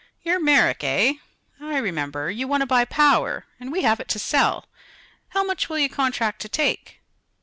"You're Merrick, eh? I remember. You want to buy power, and we have it to sell. How much will you contract to take?"